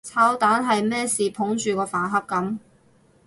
炒蛋係咩事捧住個飯盒噉？